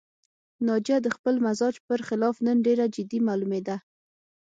ناجیه د خپل مزاج پر خلاف نن ډېره جدي معلومېده